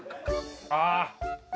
ああ。